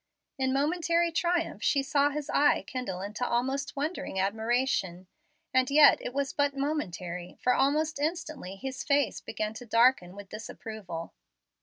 In momentary triumph she saw his eye kindle into almost wondering admiration; and yet it was but momentary, for almost instantly his face began to darken with disapproval.